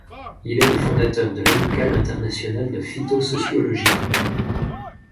Il est le fondateur de l’Amicale internationale de phytosociologie.